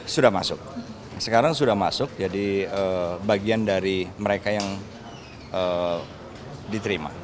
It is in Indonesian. sudah masuk sekarang sudah masuk jadi bagian dari mereka yang diterima